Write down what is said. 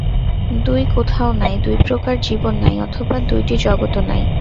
দুই কোথাও নাই, দুইপ্রকার জীবন নাই, অথবা দুইটি জগৎও নাই।